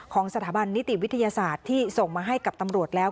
ของสถาบันนิติวิทยาศาสตร์ที่ส่งมาให้กับตำรวจแล้ว